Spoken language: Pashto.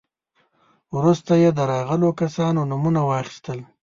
وروسته يې د راغلو کسانو نومونه واخيستل.